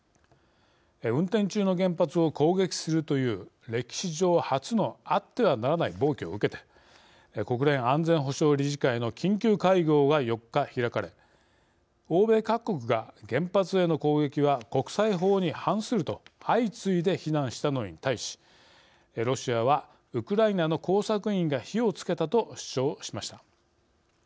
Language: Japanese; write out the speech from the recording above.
運転中の原発を攻撃するという歴史上初のあってはならない暴挙を受けて国連安全保障理事会の緊急会合が４日、開かれ、欧米各国が「原発への攻撃は国際法に反する」と相次いで非難したのに対しロシアは「ウクライナの工作員が火をつけた」と主張しました。